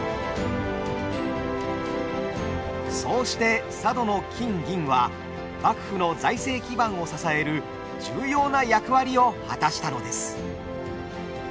そうして佐渡の金銀は幕府の財政基盤を支える重要な役割を果たしたのです。